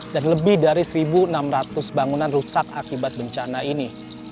dan lebih dari seribu enam ratus bangunan rusak akibat bencana ini